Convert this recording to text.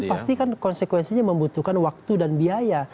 pastikan konsekuensinya membutuhkan waktu dan biaya